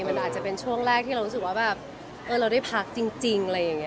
มันอาจจะเป็นช่วงแรกที่รู้สึกว่าเราได้พักจริง